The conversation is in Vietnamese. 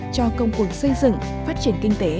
cho công cuộc xây dựng phát triển kinh tế